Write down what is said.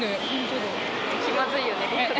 気まずいよね。